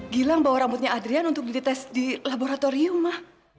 gilang bawa rambutnya adrian untuk ditest di laboratorium ma